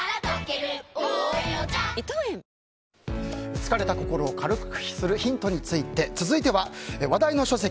疲れた心を軽くするヒントについて続いては話題の書籍